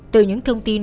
từ những thông tin